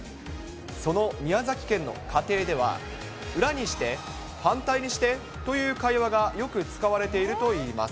その宮崎県の家庭では、裏にして、反対にしてという会話が、よく使われているといいます。